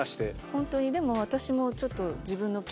ホントにでも私もちょっと。